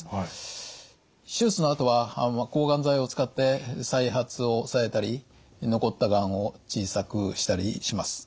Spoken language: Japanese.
手術のあとは抗がん剤を使って再発を抑えたり残ったがんを小さくしたりします。